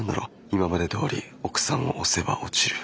今までどおり奥さんを押せば落ちる。